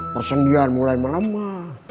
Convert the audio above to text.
persendian mulai melemah